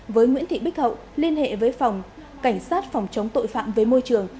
với nguyễn thị bích hậu liên hệ với phòng cảnh sát phòng chống tội phạm với môi trường